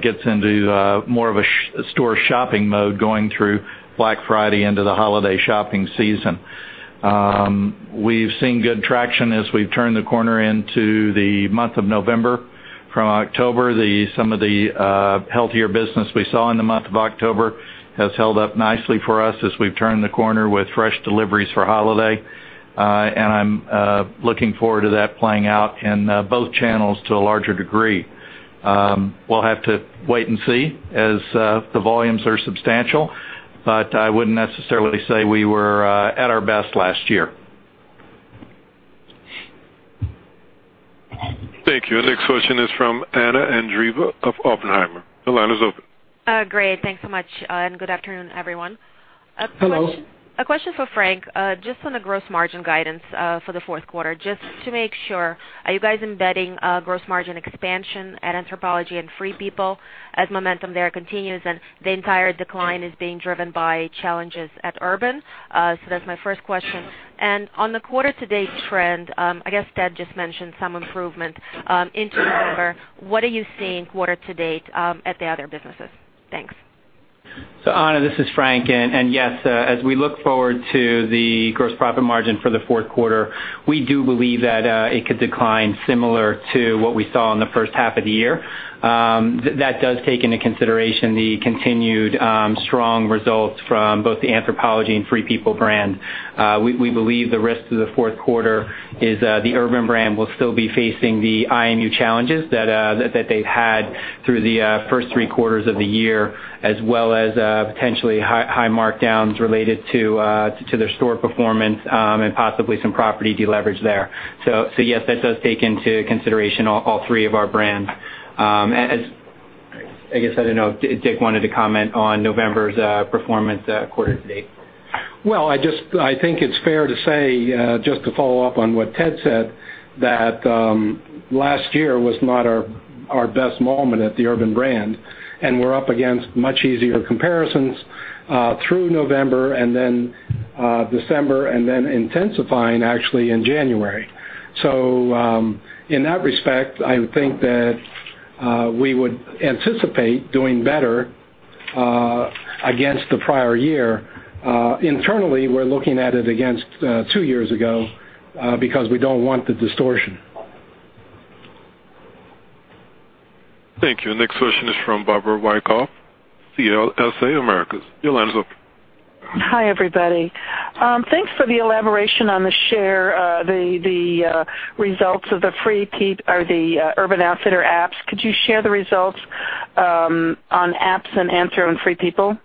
gets into more of a store-shopping mode going through Black Friday into the holiday shopping season. We've seen good traction as we've turned the corner into the month of November. From October, some of the healthier business we saw in the month of October has held up nicely for us as we've turned the corner with fresh deliveries for holiday. I'm looking forward to that playing out in both channels to a larger degree. We'll have to wait and see as the volumes are substantial, but I wouldn't necessarily say we were at our best last year. Thank you. Our next question is from Anna Andreeva of Oppenheimer. Your line is open. Great. Thanks so much. Good afternoon, everyone. Hello. A question for Frank, just on the gross margin guidance for the fourth quarter, just to make sure. Are you guys embedding gross margin expansion at Anthropologie and Free People as momentum there continues, and the entire decline is being driven by challenges at Urban? That's my first question. On the quarter to date trend, I guess Ted just mentioned some improvement into November. What are you seeing quarter to date at the other businesses? Thanks. Anna, this is Frank. Yes, as we look forward to the gross profit margin for the fourth quarter, we do believe that it could decline similar to what we saw in the first half of the year. That does take into consideration the continued strong results from both the Anthropologie and Free People brand. We believe the rest of the fourth quarter is the Urban brand will still be facing the IMU challenges that they've had through the first three quarters of the year, as well as potentially high markdowns related to their store performance, and possibly some property de-leverage there. Yes, that does take into consideration all three of our brands. I guess, I don't know, Dick wanted to comment on November's performance quarter to date. Well, I think it's fair to say, just to follow up on what Ted said, that last year was not our best moment at the Urban brand, and we're up against much easier comparisons through November and then December and then intensifying actually in January. In that respect, I would think that we would anticipate doing better against the prior year. Internally, we're looking at it against two years ago because we don't want the distortion. Thank you. Next question is from Barbara Wyckoff, CLSA Americas. Your line is open. Hi, everybody. Thanks for the elaboration on the share of the results of the Urban Outfitters apps. Could you share the results on apps in Anthro and Free People?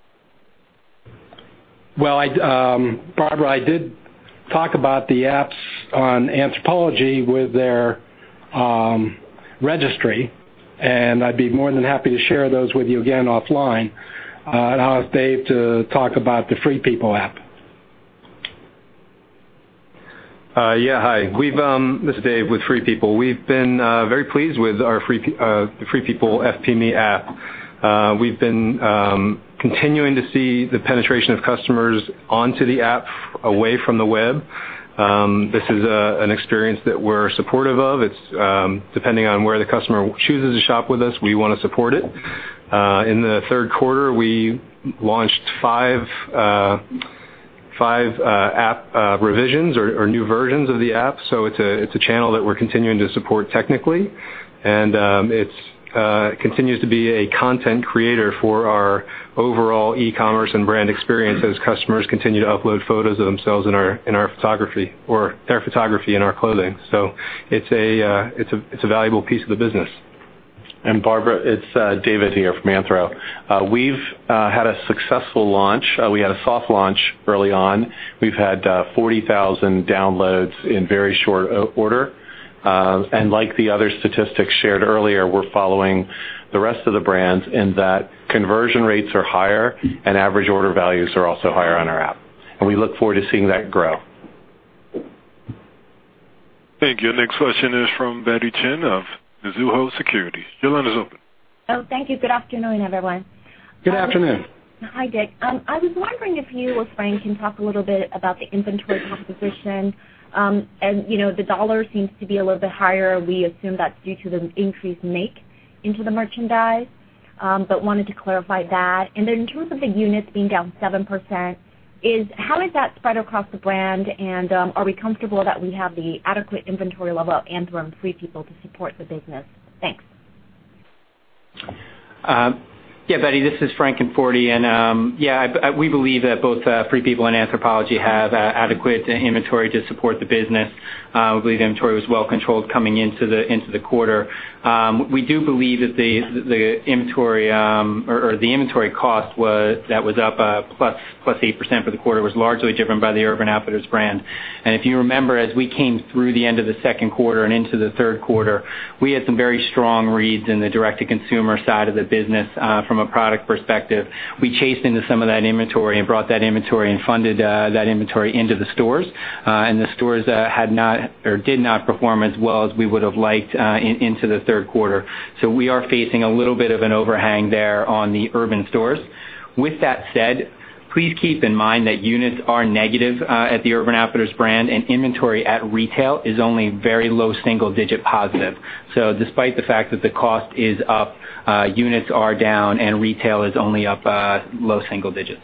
Well, Barbara, I did talk about the apps on Anthropologie with their registry, and I'd be more than happy to share those with you again offline. I'll ask Dave to talk about the Free People app. Yeah, hi. This is Dave with Free People. We've been very pleased with our Free People FP Me app. We've been continuing to see the penetration of customers onto the app away from the web. This is an experience that we're supportive of. Depending on where the customer chooses to shop with us, we want to support it. In the third quarter, we launched five app revisions or new versions of the app. It's a channel that we're continuing to support technically, it continues to be a content creator for our overall e-commerce and brand experience as customers continue to upload photos of themselves in our photography, or their photography in our clothing. It's a valuable piece of the business. Barbara, it's David here from Anthro. We've had a successful launch. We had a soft launch early on. We've had 40,000 downloads in very short order. Like the other statistics shared earlier, we're following the rest of the brands in that conversion rates are higher, average order values are also higher on our app, we look forward to seeing that grow. Thank you. Next question is from Betty Chen of Mizuho Securities. Your line is open. Thank you. Good afternoon, everyone. Good afternoon. Hi, Dick. I was wondering if you or Frank can talk a little bit about the inventory composition. The dollar seems to be a little bit higher. We assume that's due to the increased make into the merchandise, wanted to clarify that. In terms of the units being down 7%, how is that spread across the brand? Are we comfortable that we have the adequate inventory level at Anthro and Free People to support the business? Thanks. Betty, this is Frank Conforti. We believe that both Free People and Anthropologie have adequate inventory to support the business. We believe the inventory was well controlled coming into the quarter. We do believe that the inventory cost that was up +8% for the quarter was largely driven by the Urban Outfitters brand. If you remember, as we came through the end of the second quarter and into the third quarter, we had some very strong reads in the direct-to-consumer side of the business from a product perspective. We chased into some of that inventory and brought that inventory and funded that inventory into the stores. The stores did not perform as well as we would've liked into the third quarter. We are facing a little bit of an overhang there on the Urban stores. With that said, please keep in mind that units are negative at the Urban Outfitters brand, and inventory at retail is only very low single-digit positive. Despite the fact that the cost is up, units are down and retail is only up low single-digits.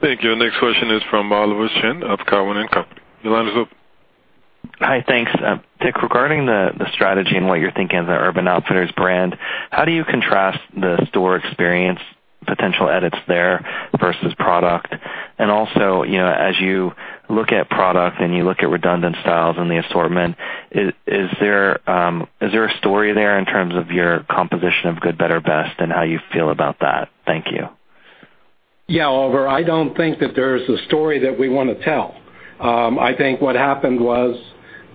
Thank you. Next question is from Oliver Chen of Cowen and Company. Your line is open. Hi, thanks. Dick, regarding the strategy and what you're thinking of the Urban Outfitters brand, how do you contrast the store experience potential edits there versus product? Also, as you look at product and you look at redundant styles in the assortment, is there a story there in terms of your composition of good, better, best, and how you feel about that? Thank you. Yeah. Oliver, I don't think that there's a story that we want to tell. I think what happened was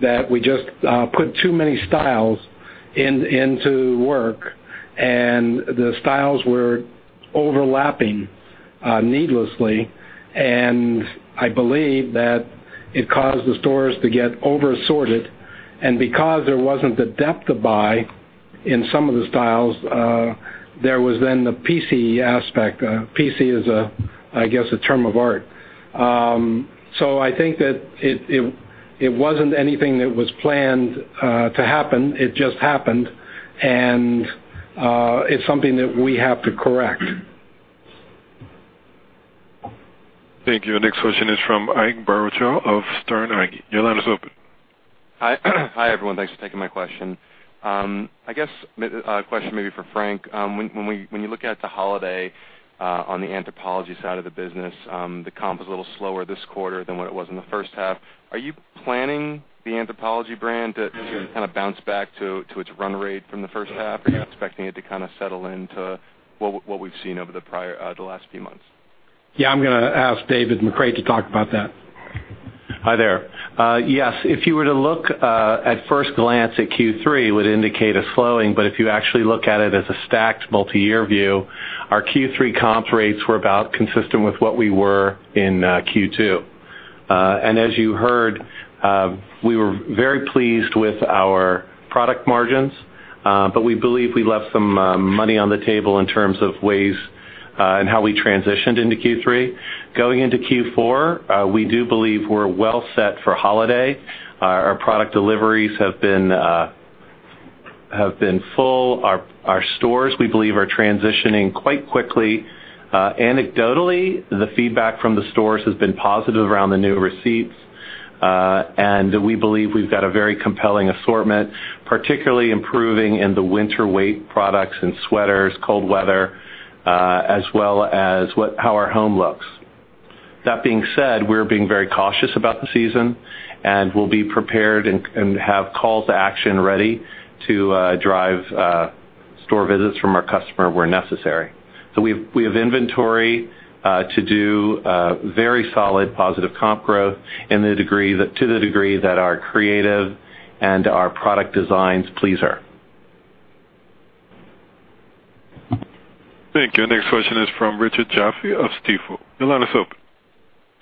that we just put too many styles into work, and the styles were overlapping needlessly, and I believe that it caused the stores to get over-assorted. Because there wasn't the depth of buy in some of the styles, there was then the piecey aspect. piecey is, I guess, a term of art. I think that it wasn't anything that was planned to happen. It just happened. It's something that we have to correct. Thank you. Next question is from Ike Boruchow of Sterne Agee. Your line is open. Hi, everyone. Thanks for taking my question. I guess a question maybe for Frank. When you look at the holiday on the Anthropologie side of the business, the comp was a little slower this quarter than what it was in the first half. Are you planning the Anthropologie brand to kind of bounce back to its run rate from the first half? Are you expecting it to kind of settle into what we've seen over the last few months? Yeah, I'm going to ask David McCreight to talk about that. Hi there. Yes, if you were to look at first glance at Q3, it would indicate a slowing, but if you actually look at it as a stacked multi-year view, our Q3 comp rates were about consistent with what we were in Q2. As you heard, we were very pleased with our product margins. We believe we left some money on the table in terms of ways and how we transitioned into Q3. Going into Q4, we do believe we're well set for holiday. Our product deliveries have been full. Our stores, we believe, are transitioning quite quickly. Anecdotally, the feedback from the stores has been positive around the new receipts. We believe we've got a very compelling assortment, particularly improving in the winter weight products and sweaters, cold weather, as well as how our home looks. That being said, we're being very cautious about the season, and we'll be prepared and have call to action ready to drive store visits from our customer where necessary. We have inventory to do very solid positive comp growth to the degree that our creative and our product designs please her. Thank you. Next question is from Richard Jaffe of Stifel. Your line is open.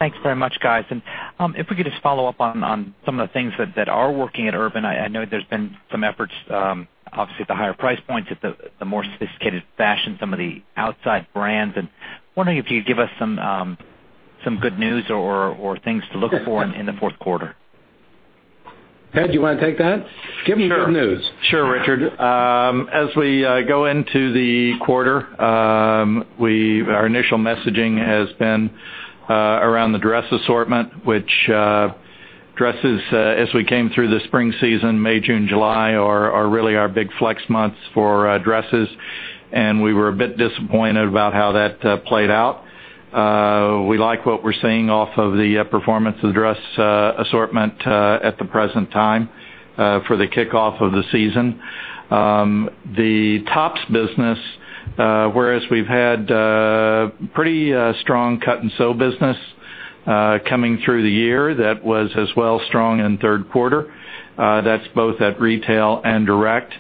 Thanks very much, guys. If we could just follow up on some of the things that are working at Urban. I know there's been some efforts, obviously, at the higher price points, at the more sophisticated fashion, some of the outside brands. Wondering if you could give us some good news or things to look for in the fourth quarter. Ted, you want to take that? Give him good news. Sure, Richard. As we go into the quarter, our initial messaging has been around the dress assortment. Which dresses, as we came through the spring season, May, June, July, are really our big flex months for dresses, and we were a bit disappointed about how that played out. We like what we're seeing off of the performance of the dress assortment at the present time for the kickoff of the season. The tops business, whereas we've had pretty strong cut-and-sew business coming through the year, that was as well strong in third quarter. That's both at retail and direct.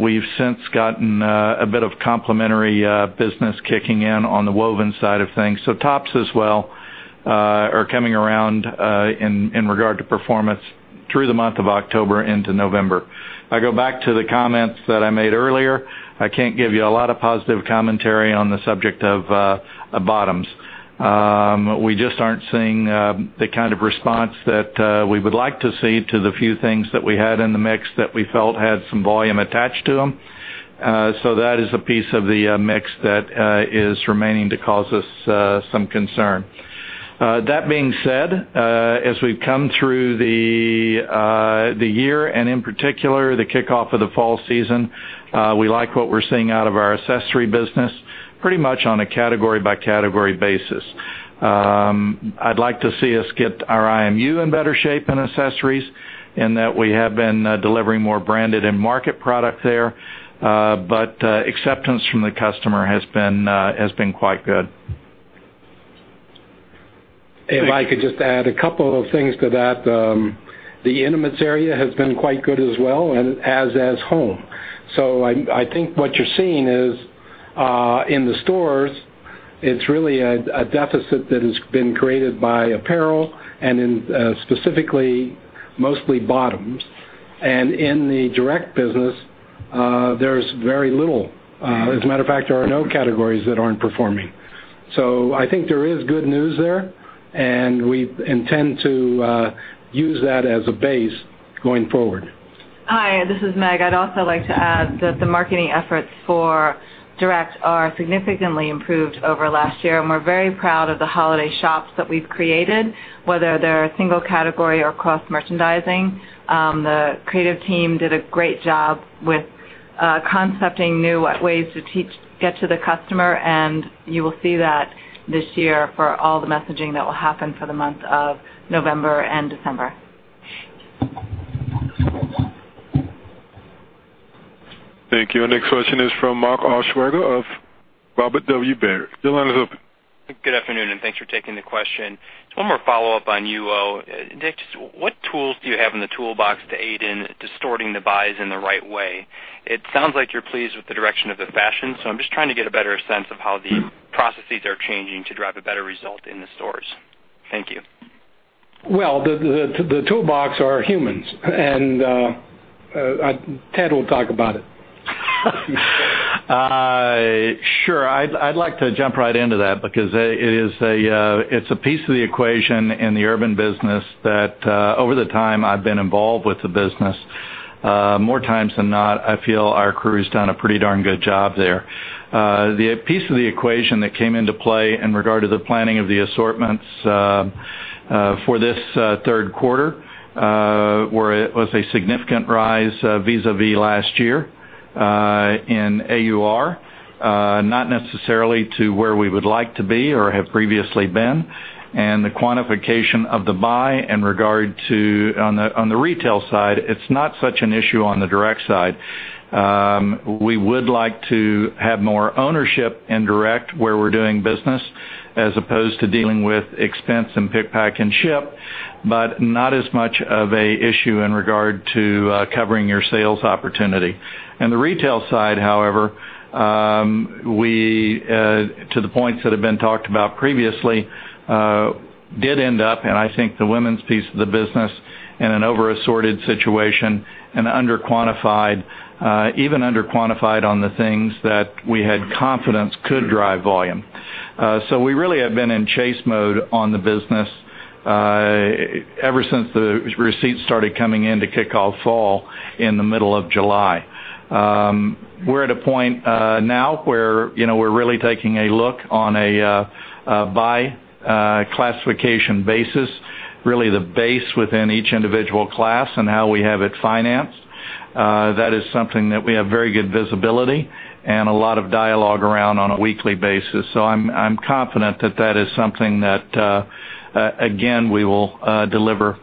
We've since gotten a bit of complementary business kicking in on the woven side of things. Tops as well are coming around in regard to performance through the month of October into November. If I go back to the comments that I made earlier, I can't give you a lot of positive commentary on the subject of bottoms. We just aren't seeing the kind of response that we would like to see to the few things that we had in the mix that we felt had some volume attached to them. That is a piece of the mix that is remaining to cause us some concern. That being said, as we've come through the year, and in particular, the kickoff of the fall season, we like what we're seeing out of our accessory business, pretty much on a category by category basis. I'd like to see us get our IMU in better shape in accessories, in that we have been delivering more branded and market product there. Acceptance from the customer has been quite good. If I could just add a couple of things to that. The intimates area has been quite good as well, and as has home. I think what you're seeing is, in the stores, it's really a deficit that has been created by apparel and specifically, mostly bottoms. In the direct business, there's very little. As a matter of fact, there are no categories that aren't performing. I think there is good news there, and we intend to use that as a base going forward. Hi, this is Meg. I'd also like to add that the marketing efforts for direct are significantly improved over last year. We're very proud of the holiday shops that we've created, whether they're single category or cross-merchandising. The creative team did a great job with concepting new ways to get to the customer. You will see that this year for all the messaging that will happen for the month of November and December. Thank you. Our next question is from Mark Altschwager of Robert W. Baird. Your line is open. Good afternoon, thanks for taking the question. Just one more follow-up on you. Just what tools do you have in the toolbox to aid in distorting the buys in the right way? It sounds like you're pleased with the direction of the fashion, I'm just trying to get a better sense of how the processes are changing to drive a better result in the stores. Thank you. Well, the toolbox are humans, Ted will talk about it. Sure. I'd like to jump right into that because it's a piece of the equation in the Urban business that over the time I've been involved with the business, more times than not, I feel our crew's done a pretty darn good job there. The piece of the equation that came into play in regard to the planning of the assortments for this third quarter, where it was a significant rise vis-à-vis last year in AUR. Not necessarily to where we would like to be or have previously been. The quantification of the buy on the retail side, it's not such an issue on the direct side. We would like to have more ownership in direct where we're doing business, as opposed to dealing with expense and pick, pack, and ship, but not as much of an issue in regard to covering your sales opportunity. The retail side, to the points that have been talked about previously, did end up, I think the women's piece of the business, in an over-assorted situation and under-quantified. Even under-quantified on the things that we had confidence could drive volume. We really have been in chase mode on the business ever since the receipts started coming in to kick off fall in the middle of July. We're at a point now where we're really taking a look on a buy classification basis, really the base within each individual class and how we have it financed. That is something that we have very good visibility and a lot of dialogue around on a weekly basis. I'm confident that that is something that, again, we will deliver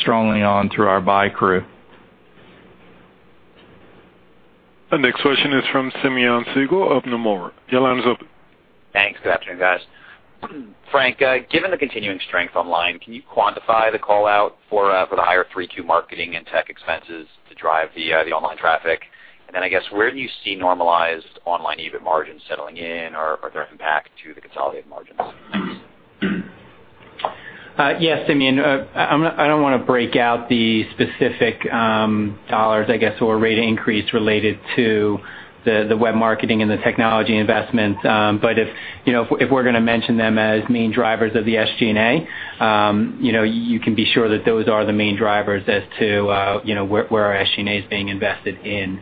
strongly on through our buy crew. The next question is from Simeon Siegel of Nomura. Your line is open. Thanks. Frank, given the continuing strength online, can you quantify the call-out for the higher Q3 marketing and tech expenses to drive the online traffic? Where do you see normalized online EBIT margins settling in, or their impact to the consolidated margins? Thanks. Yes. I don't want to break out the specific $, or rate increase related to the web marketing and the technology investments. If we're going to mention them as main drivers of the SG&A, you can be sure that those are the main drivers as to where our SG&A is being invested in.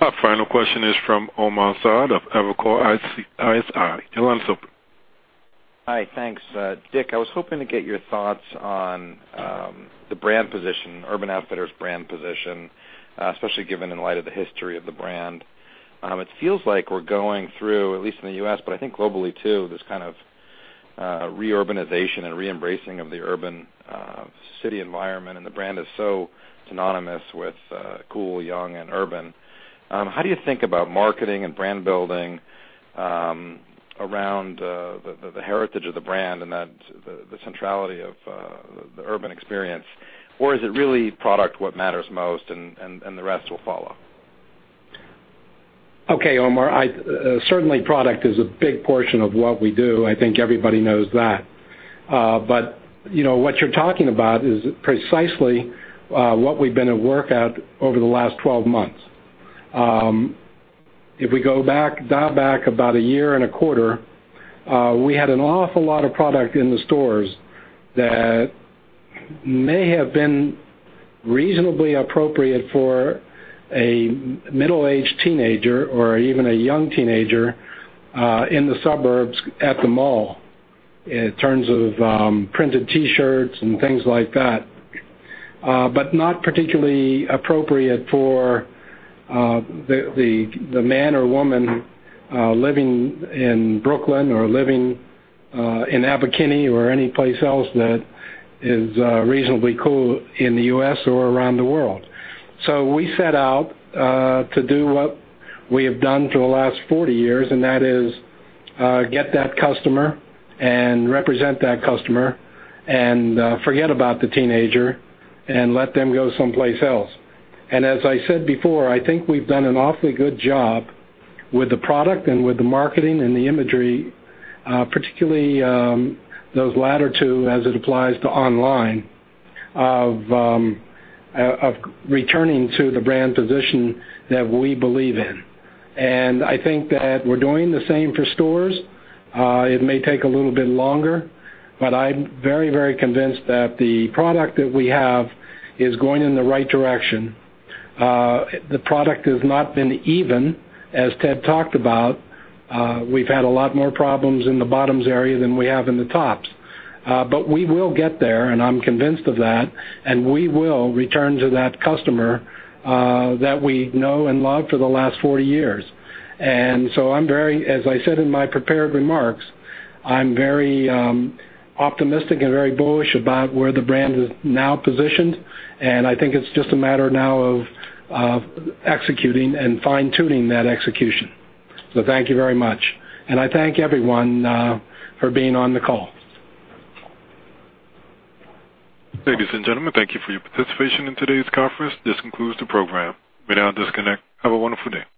Our final question is from Omar Saad of Evercore ISI. Your line is open. Hi. Thanks. Dick, I was hoping to get your thoughts on Urban Outfitters' brand position, especially given in light of the history of the brand. It feels like we're going through, at least in the U.S., but I think globally, too, this kind of re-urbanization and re-embracing of the urban city environment, and the brand is so synonymous with cool, young, and urban. Is it really product what matters most, and the rest will follow? Okay, Omar. Certainly, product is a big portion of what we do. I think everybody knows that. What you're talking about is precisely what we've been at work at over the last 12 months. If we dial back about a year and a quarter, we had an awful lot of product in the stores that may have been reasonably appropriate for a middle-aged teenager or even a young teenager in the suburbs at the mall, in terms of printed T-shirts and things like that. Not particularly appropriate for the man or woman living in Brooklyn or living in Albuquerque or any place else that is reasonably cool in the U.S. or around the world. We set out to do what we have done for the last 40 years, and that is get that customer and represent that customer and forget about the teenager and let them go someplace else. As I said before, I think we've done an awfully good job with the product and with the marketing and the imagery, particularly those latter two as it applies to online, of returning to the brand position that we believe in. I think that we're doing the same for stores. It may take a little bit longer, but I'm very convinced that the product that we have is going in the right direction. The product has not been even, as Ted talked about. We've had a lot more problems in the bottoms area than we have in the tops. We will get there, I'm convinced of that, we will return to that customer that we know and love for the last 40 years. As I said in my prepared remarks, I'm very optimistic and very bullish about where the brand is now positioned, I think it's just a matter now of executing and fine-tuning that execution. Thank you very much, I thank everyone for being on the call. Ladies and gentlemen, thank you for your participation in today's conference. This concludes the program. You may now disconnect. Have a wonderful day.